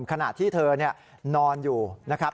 ขณะที่เธอนอนอยู่นะครับ